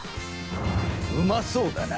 うまそうだな！